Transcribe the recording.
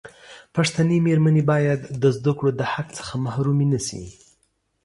پښتنې مېرمنې باید د زدکړو دحق څخه محرومي نشي.